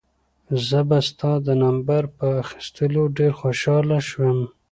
زه به ستا د نمبر په اخیستلو ډېر خوشحاله شم.